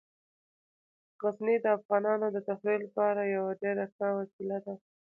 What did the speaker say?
غزني د افغانانو د تفریح لپاره یوه ډیره ښه وسیله ده.